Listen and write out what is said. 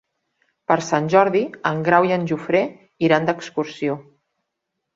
Per Sant Jordi en Grau i en Jofre iran d'excursió.